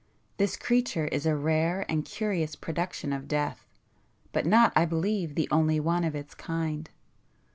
This creature is a rare and curious production of death, but not I believe the only one of its kind.